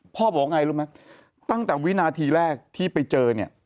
พ่อบอกไงรู้ไหมตั้งแต่วินาทีแรกที่ไปเจอ